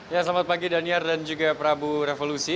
ya selamat pagi daniar dan juga prabu revolusi